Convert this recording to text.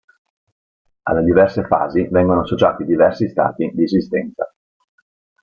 Alle diverse fasi vengono associati diversi stati di esistenza.